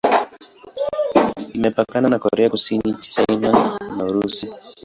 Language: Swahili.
Imepakana na Korea Kusini, China na Urusi.